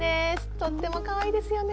とってもかわいいですよね。